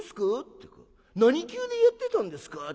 っていうか何級でやってたんですか？』。